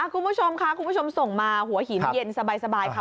คุณผู้ชมค่ะคุณผู้ชมส่งมาหัวหินเย็นสบายค่ะ